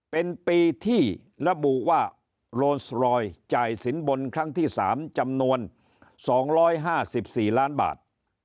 เป็นปีที่ระบุว่าโรนสรอยจ่ายสินบนครั้งที่๓จำนวน๒๕๔ล้านบาท